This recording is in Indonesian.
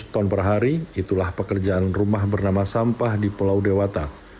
tiga ratus ton per hari itulah pekerjaan rumah bernama sampah di pulau dewata